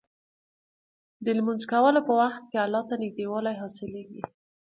د لمونځ کولو په وخت کې الله ته نږدېوالی حاصلېږي.